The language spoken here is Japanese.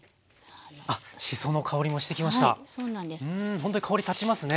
ほんとに香り立ちますね。